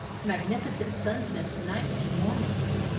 Magnificent sunsets night and morning."